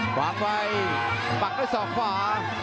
ขวาไฟปักด้วยสองขวา